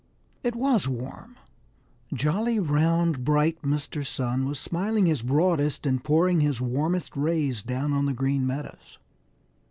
It was warm. Jolly, round, bright Mr. Sun was smiling his broadest and pouring his warmest rays down on the Green Meadows.